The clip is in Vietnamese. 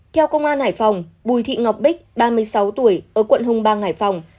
theo công an hải phòng bùi thị ngọc bích ba mươi sáu tuổi ở quận hồng bang hải phòng